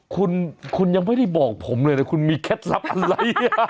คุณคุณยังไม่ได้บอกผมเลยนะคุณมีแค็ททรัพย์อะไร